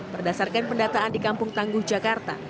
berdasarkan pendataan di kampung tangguh jakarta